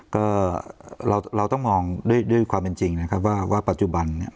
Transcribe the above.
ก็เราต้องมองด้วยความเป็นจริงนะครับว่าปัจจุบันเนี่ย